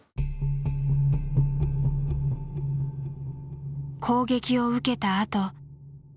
攻撃を受けたあと。